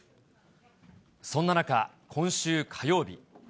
そんな中、今週火曜日。